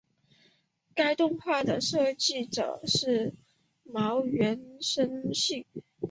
该动画的设计者是茅原伸幸。